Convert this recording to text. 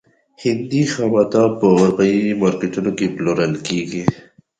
هندي خامتا په اروپايي مارکېټونو کې پلورل کېدل.